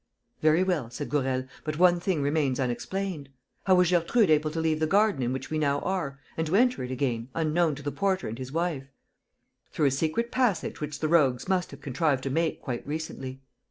"Very well," said Gourel, "but one thing remains unexplained. How was Gertrude able to leave the garden in which we now are and to enter it again, unknown to the porter and his wife?" "Through a secret passage which the rogues must have contrived to make quite recently."